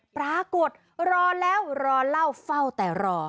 ปรากฏรอแล้วรอเล่าเฝ้าแต่รอ